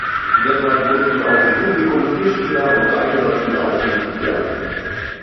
Deshalb mussten aus dem Publikum vier Spieler und ein Ersatzspieler ausgesucht werden.